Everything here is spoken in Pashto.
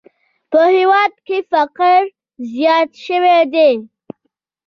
په هېواد کې فقر زیات شوی دی!